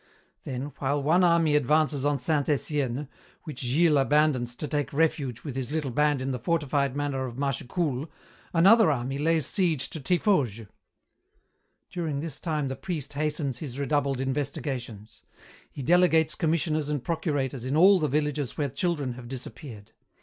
Then, while one army advances on Saint Etienne, which Gilles abandons to take refuge with his little band in the fortified manor of Mâchecoul, another army lays siege to Tiffauges. "During this time the priest hastens his redoubled investigations. He delegates commissioners and procurators in all the villages where children have disappeared.